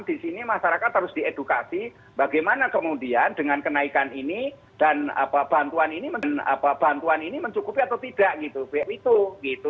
di sini masyarakat harus diedukasi bagaimana kemudian dengan kenaikan ini dan bantuan ini bantuan ini mencukupi atau tidak gitu